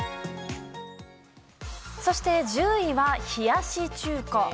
そして、１０位は冷やし中華。